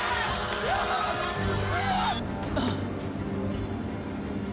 あっ！